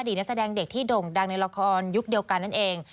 นักแสดงเด็กที่โด่งดังในละครยุคเดียวกันนั่นเอง